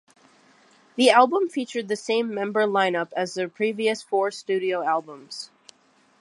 The album featured the same member line-up as their previous four studio albums.